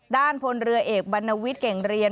พลเรือเอกบรรณวิทย์เก่งเรียน